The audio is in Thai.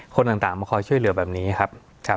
คนต่างมาคอยช่วยเหลือแบบนี้ครับ